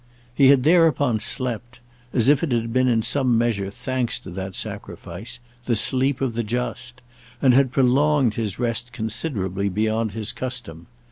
He had thereupon slept—as if it had been in some measure thanks to that sacrifice—the sleep of the just, and had prolonged his rest considerably beyond his custom.